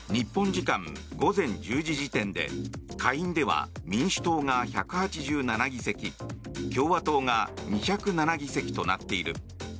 時間午前１０時時点で下院では民主党が１８７議席共和党が２０７議席となっている。